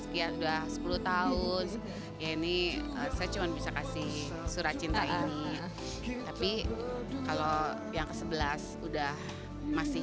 dia udah sepuluh tahun ini saya cuman bisa kasih surat cinta tapi kalau yang ke sebelas udah masih